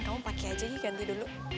kamu pake aja nih ganti dulu